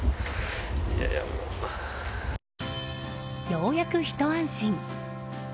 ようやく、ひと安心。